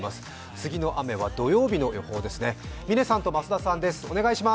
次の雨は土曜日の予報ですね。